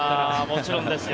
もちろんですよ。